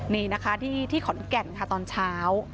นี่นะคะที่ขอนแก่นค่ะตอนเช้า